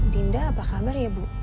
dinda apa kabar ya bu